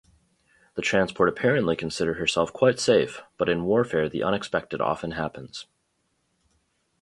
The transport apparently considered herself quite safe-but in warfare the unexpected often happens.